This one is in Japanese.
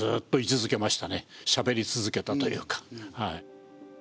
しゃべり続けたというか。